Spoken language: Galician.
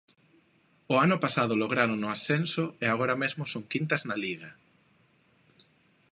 O ano pasado lograron o ascenso e agora mesmo son quintas na Liga.